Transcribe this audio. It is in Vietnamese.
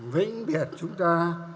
vĩnh biệt chúng ta